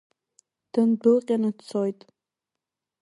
Дындәылҟьаны дцоит.